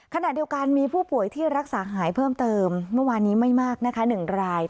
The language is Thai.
ขณะเดียวกันมีผู้ป่วยที่รักษาหายเพิ่มเติมเมื่อวานนี้ไม่มากนะคะ๑ราย